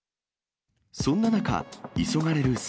そんな中、急がれる